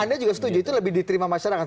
anda juga setuju itu lebih diterima masyarakat